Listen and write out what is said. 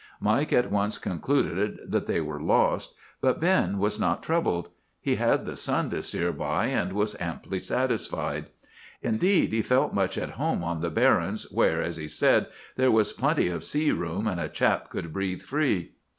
Mike at once concluded that they were lost, but Ben was not troubled. He had the sun to steer by, and was amply satisfied. "Indeed, he felt much at home on the barrens, where, as he said, 'there was plenty of sea room, and a chap could breathe free.